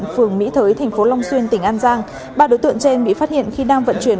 phường mỹ thới tp long xuyên tỉnh an giang ba đối tượng trên bị phát hiện khi đang vận chuyển